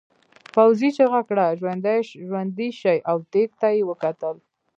پوځي چیغه کړه ژوندي شئ او دېگ ته یې وکتل.